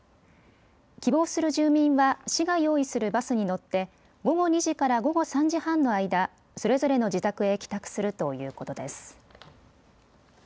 希望する住民は市が用意するバスに乗って午後２時から午後３時半の間、それぞれの自宅へ帰宅するということです。